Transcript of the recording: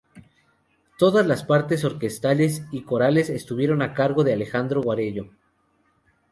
Todas las partes orquestales y corales estuvieron a cargo de Alejandro Guarello.